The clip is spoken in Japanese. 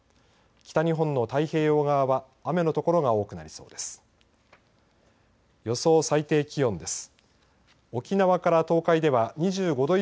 北日本の太平洋側は雨の所が多くなりそうです。